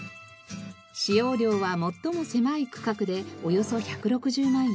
使用料は最も狭い区画でおよそ１６０万円。